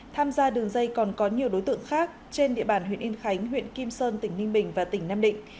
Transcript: tham gia đường dây còn có nhiều đối tượng khác trên địa bàn huyện yên khánh huyện kim sơn tỉnh ninh bình và tỉnh nam định